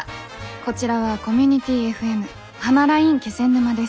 こちらはコミュニティＦＭ「はまらいん気仙沼」です。